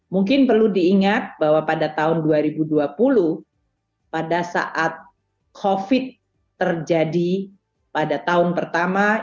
mungkin perlu diingat bahwa pada tahun dua ribu dua puluh pada saat covid terjadi pada tahun pertama